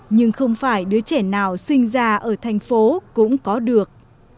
nhưng không phải đứa trẻ nào sinh ra ở thành phố cũng có được